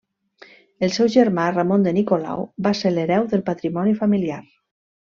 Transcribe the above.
El seu germà, Ramon de Nicolau, va ser l'hereu del patrimoni familiar.